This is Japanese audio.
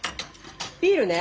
ビールね。